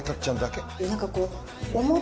何かこう。